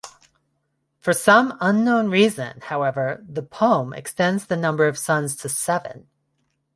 For some unknown reason, however, the poem extends the number of sons to seven.